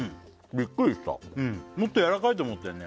ビックリしたもっとやわらかいと思ったよね